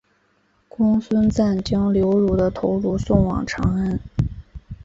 公孙瓒将刘虞的头颅送往长安。